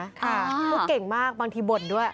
โรคเก่งมากบางทีบดด้วย